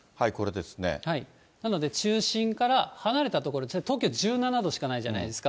なので、中心から離れた所ですね、東京１７度しかないじゃないですか。